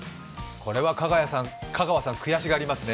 これは香川さん、悔しがりますね。